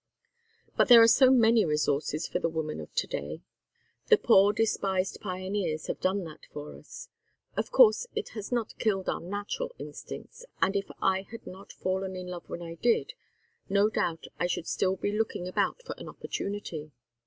But there are so many resources for the woman of to day. The poor despised pioneers have done that for us. Of course it has not killed our natural instincts, and if I had not fallen in love when I did, no doubt I should still be looking about for an opportunity.